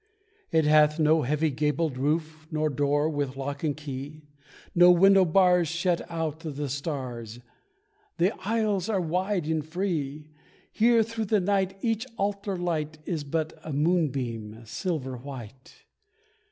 It hath no heavy gabled roof, no door with lock and key, No window bars shut out the stars, The aisles are wide and free Here through the night each altar light Is but a moon beam, silver white.